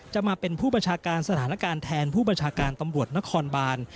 จะมาเป็นผู้ประชาการสถานการณ์แทนผู้บัญชาการตำรวจนครบาน